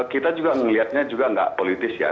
kita juga melihatnya juga nggak politis ya